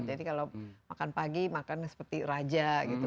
jadi kalau makan pagi makannya seperti raja gitu